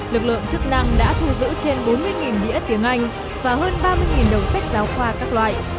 lực lượng chức năng đã thu giữ trên bốn mươi đĩa tiếng anh và hơn ba mươi đầu sách giáo khoa các loại